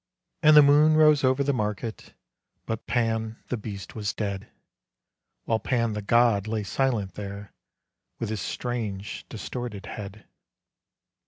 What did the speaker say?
And the moon rose over the market, But Pan the beast was dead; While Pan the god lay silent there, With his strange, distorted head.